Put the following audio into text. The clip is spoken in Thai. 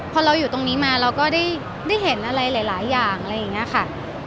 พอเราอยู่ตรงนี้มาเราก็ได้เห็นอะไรหลายอย่างอะไรอย่างนี้ค่ะ